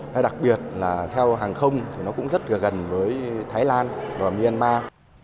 hay đặc biệt là theo hàng không thì nó cũng rất là gần với thái lan và myanmar